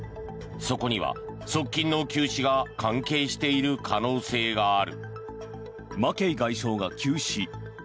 そこには、側近の急死が関係している可能性がある。